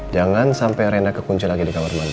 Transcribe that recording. jangan sampai reina kekunci lagi di kamar mandi